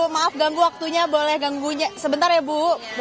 maaf ganggu waktunya boleh ganggu sebentar ya bu